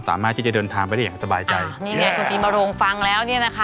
สามารถที่จะเดินทางไปได้อย่างสบายใจนี่ไงคุณปีมโรงฟังแล้วเนี่ยนะคะ